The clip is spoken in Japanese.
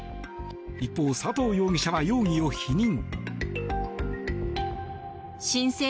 一方、佐藤容疑者は容疑を否認。